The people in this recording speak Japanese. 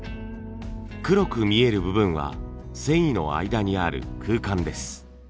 黒く見える部分は繊維の間にある空間です。